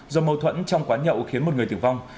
do mâu thuẫn trong quán nhậu khiến một người tử vong